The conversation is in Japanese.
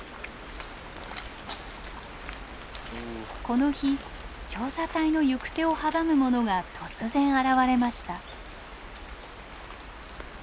この日調査隊の行く手を阻むものが突然現れました。